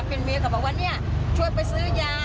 เป็นเมียกลับมาว่าช่วยไปซื้อยา